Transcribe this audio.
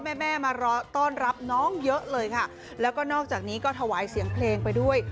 แม่แม่มารอต้อนรับน้องเยอะเลยค่ะแล้วก็นอกจากนี้ก็ถวายเสียงเพลงไปด้วย